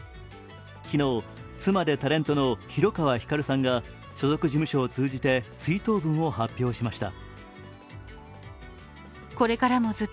昨日、妻でタレントの広川ひかるさんが所属事務所を通じて追悼文を発表しました。